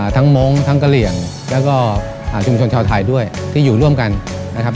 มงค์ทั้งกะเหลี่ยงแล้วก็ชุมชนชาวไทยด้วยที่อยู่ร่วมกันนะครับ